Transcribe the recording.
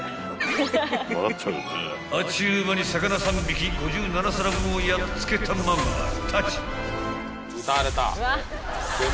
［あっちゅう間に魚３匹５７皿分をやっつけたママたち］